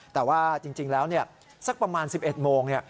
แต่ว่าจริงแล้วเนี่ยสักประมาณ๑๑โมงเนี่ย